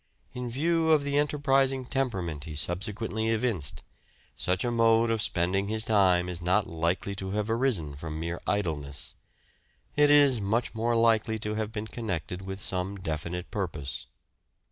In view of the enterprising temperament he subsequently evinced, such a mode of spending his time is not likely to have arisen from mere idleness ; it is much more likely to have been connected with some definite purpose.